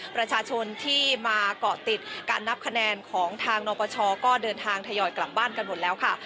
ประชาชนที่มาเกาะติดการนับคะแนนของทางนปชก็เดินทางทยอยกลับบ้านกันหมดแล้วค่ะ